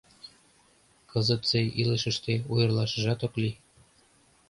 Кызытсе илышыште ойырлашыжат ок лий.